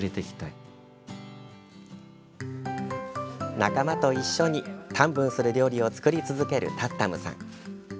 仲間と一緒にタンブンする料理を作り続けるタッタムさん。